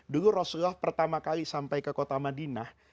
dulu rasulullah pertama kali sampai ke kota madinah